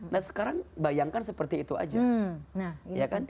nah sekarang bayangkan seperti itu aja